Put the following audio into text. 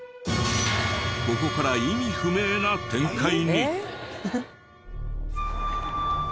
ここから意味不明な展開に！